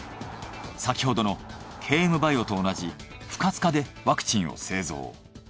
先ほどのＫＭバイオと同じ不活化でワクチンを製造。